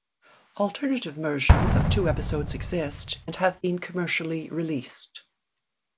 Alternative versions of two episodes exist and have been commercially released.